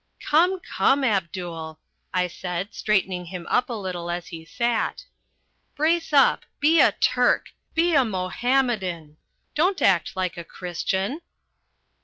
"Come, come, Abdul," I said, straightening him up a little as he sat. "Brace up! Be a Turk! Be a Mohammedan! Don't act like a Christian."